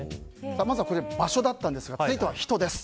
まずは場所だったんですが続いては人です。